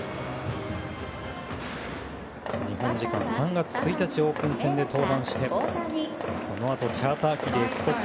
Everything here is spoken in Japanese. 日本時間３月１日のオープン戦で登板してそのあとチャーター機で帰国。